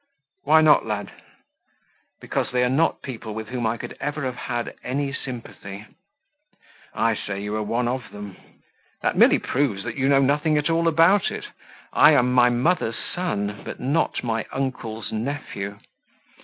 "Why not, lad?" "Because they are not people with whom I could ever have had any sympathy." "I say you are one of them." "That merely proves that you know nothing at all about it; I am my mother's son, but not my uncles' nephew."